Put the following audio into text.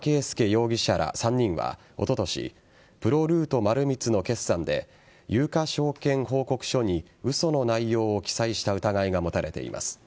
容疑者ら３人はおととしプロルート丸光の決算で有価証券報告書に、嘘の内容を記載した疑いが持たれています。